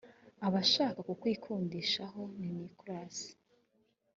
aba ashaka kukwikundishaho nicholas